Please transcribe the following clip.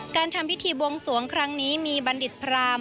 การทำพิธีบวงสวงครั้งนี้มีบัณฑิตพราม